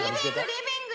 リビング？